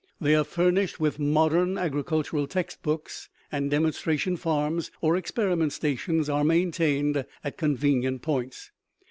They are furnished with modern agricultural text books, and demonstration farms or experiment stations are maintained at convenient points.